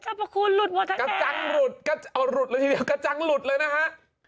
พระคุณหลุดหมดค่ะกระจังหลุดกระเอาหลุดเลยทีเดียวกระจังหลุดเลยนะฮะ